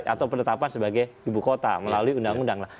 atau penetapan sebagai ibu kota melalui undang undang